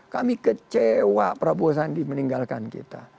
kami kecewa prabowo sandi meninggalkan kita